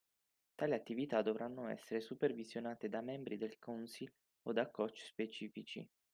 Tali attività dovranno essere supervisionate da membri del council o da coach specifici